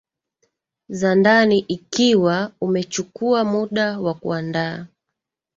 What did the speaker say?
za ndani Ikiwa umechukua muda wa kuandaa